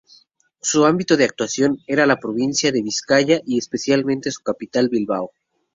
Su ámbito de actuación era la provincia de Vizcaya y especialmente su capital Bilbao.